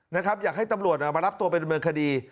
อยากให้ตำรวจมารับตัวไปดำเนินคดี